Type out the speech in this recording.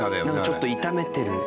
ちょっと炒めてる。